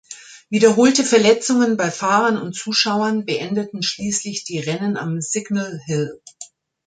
Wiederholte Verletzungen bei Fahrern und Zuschauern beendeten schließlich die Rennen am Signal Hill.